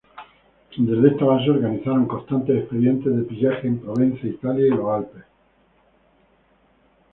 Desde esta base organizaron constantes expediciones de pillaje en Provenza, Italia y los Alpes.